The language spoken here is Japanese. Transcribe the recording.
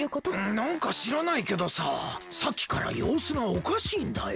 なんかしらないけどささっきからようすがおかしいんだよ。